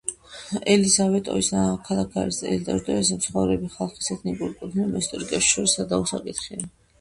ელიზავეტოვის ნაქალაქარის ტერიტორიაზე მცხოვრები ხალხის ეთნიკური კუთვნილება ისტორიკოსებს შორის სადავო საკითხია.